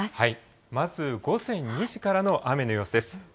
まず午前２時からの雨の様子です。